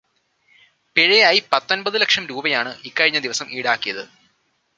പിഴയായി പത്തൊമ്പത് ലക്ഷം രൂപയാണ് ഇക്കഴിഞ്ഞ ദിവസം ഈടാക്കിയത്.